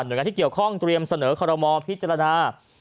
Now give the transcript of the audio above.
โดยงานที่เกี่ยวข้องเตรียมเสนอคอรมอลพิจารณา